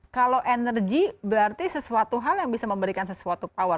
kalau energi berarti sesuatu hal yang bisa memberikan sesuatu power